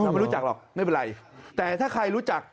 ไม่รู้จักหรอกไม่เป็นไรแต่ถ้าใครรู้จัก